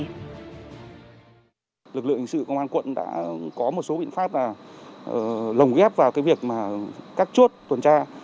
lực lượng hình sự công an quận đã có một số biện pháp là lồng ghép vào cái việc mà các chốt tuần tra